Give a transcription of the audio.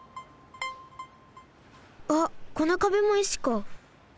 あっこのかべも石か。